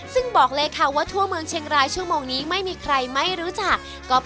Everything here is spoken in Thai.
ซึ่งบอกเลยค่ะว่าทั่วเมืองเชียงรายชั่วโมงนี้ไม่มีใครไม่รู้จัก